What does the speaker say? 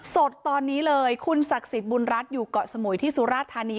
สดตอนนี้เลยคุณศักดิ์สิทธิ์บุญรัฐอยู่เกาะสมุยที่สุราธานี